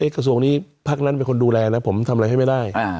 กระทรวงนี้พักนั้นเป็นคนดูแลนะผมทำอะไรให้ไม่ได้